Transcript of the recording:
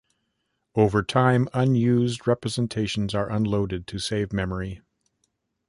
Over time, unused representations are unloaded to save memory.